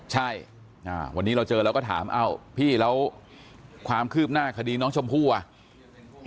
ใช่วันนี้เราเจอเราก็ถามเอ้าพี่แล้วความคืบหน้าคดีน้องชมพู่อ่ะ